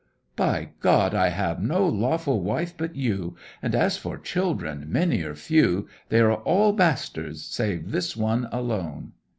'By God! I have no lawful wife but you; and as for children, many or few, they are all bastards, save this one alone!'